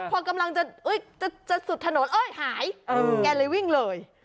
พอกำลังจะสุดถนนเอ้ยหายแกเลยวิ่งเลย